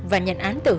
đến diễn ra một kẻlage